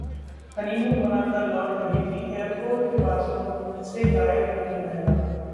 honeymoon मनाकर लौट रही थी, एयरपोर्ट के बाथरूम से गायब हुई महिला